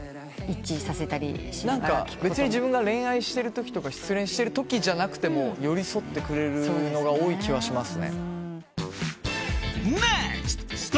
自分が恋愛してるときとか失恋してるときじゃなくても寄り添ってくれるのが多い気はしますね。